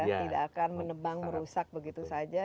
tidak akan menebang merusak begitu saja